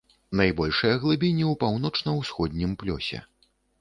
Найбольшыя глыбіні ў паўночна-ўсходнім плёсе.